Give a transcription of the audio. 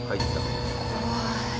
怖い。